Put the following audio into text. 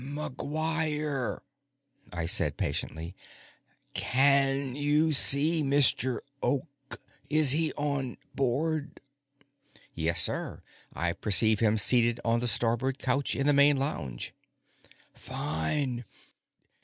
"McGuire," I said patiently, "can you see Mr. Oak? Is he on board?" "Yes, sir. I perceive him seated on the starboard couch in the main lounge." "Fine.